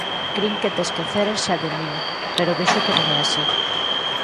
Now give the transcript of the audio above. Crin que te esqueceras xa de min, pero vexo que non é así.